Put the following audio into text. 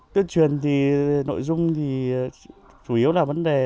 tuyên truyền thì nội dung thì chủ yếu là vấn đề